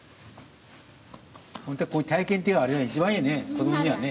本当はこういう体験ってあれだ一番いいね子どもにはね。